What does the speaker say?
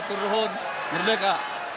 hatur ruhun merdeka